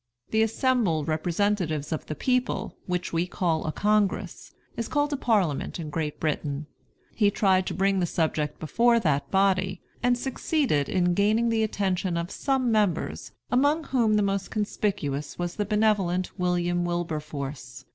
The assembled representatives of the people which we call a Congress, is called a Parliament in Great Britain. He tried to bring the subject before that body, and succeeded in gaining the attention of some members, among whom the most conspicuous was the benevolent William Wilberforce.